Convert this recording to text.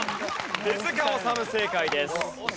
手治虫正解です。